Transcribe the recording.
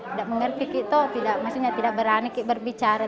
tidak mengerti itu tidak berani berbicara